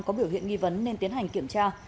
có biểu hiện nghi vấn nên tiến hành kiểm tra